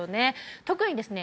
特にですね